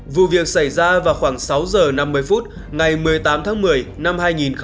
vụ việc xảy ra vào khoảng sáu giờ năm mươi phút ngày một mươi tám tháng một mươi năm hai nghìn một mươi tám